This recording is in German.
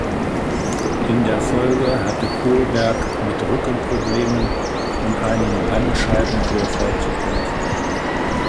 In der Folge hatte Kohlberg mit Rückenproblemen und einem Bandscheibenvorfall zu kämpfen.